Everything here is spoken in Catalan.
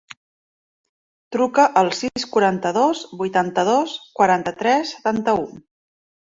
Truca al sis, quaranta-dos, vuitanta-dos, quaranta-tres, setanta-u.